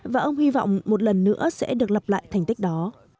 và ông hy vọng một lần nữa sẽ được lập lại thành tích đó